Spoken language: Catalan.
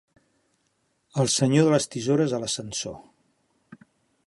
El senyor de les tisores a l'ascensor.